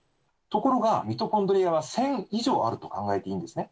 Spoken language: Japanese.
ところがミトコンドリアは１０００以上あると考えていいんですね。